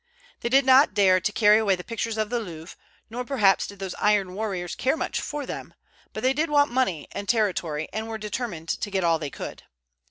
They did not dare to carry away the pictures of the Louvre, nor perhaps did those iron warriors care much for them; but they did want money and territory, and were determined to get all they could.